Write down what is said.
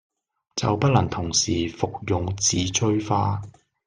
就不能同時服用紫錐花